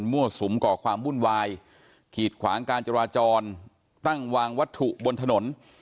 สุมก่อความวุ่นวายกีดขวางการจราจรตั้งวางวัตถุบนถนน